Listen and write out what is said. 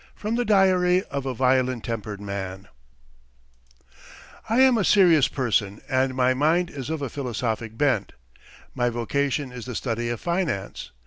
FROM THE DIARY OF A VIOLENT TEMPERED MAN I AM a serious person and my mind is of a philosophic bent. My vocation is the study of finance.